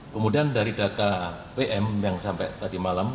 kemudian dari data pm yang sampai tadi malam